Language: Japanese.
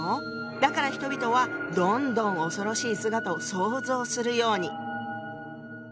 だから人々はどんどん恐ろしい姿を想像するように。